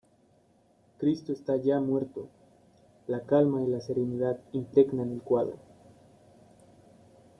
Cristo está ya muerto; la calma y la serenidad impregnan el cuadro.